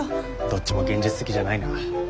どっちも現実的じゃないな。